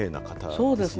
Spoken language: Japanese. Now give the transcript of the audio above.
そうですね。